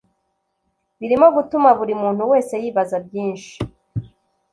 Birimo gutuma buri muntu wese yibaza byinshi